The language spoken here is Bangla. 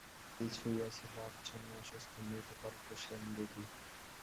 সেনদিদি শুইয়া ছিল, আচ্ছন্ন অসুস্থ, মৃতকল্প সেনদিদি।